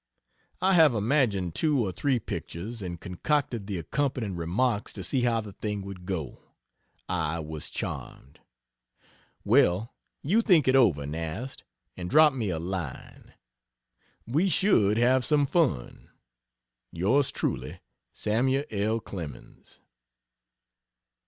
I have imagined two or three pictures and concocted the accompanying remarks to see how the thing would go. I was charmed. Well, you think it over, Nast, and drop me a line. We should have some fun. Yours truly, SAMUEL L. CLEMENS.